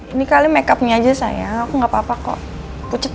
ini kali makeupnya aja sayang aku gak apa apa kok pucet ya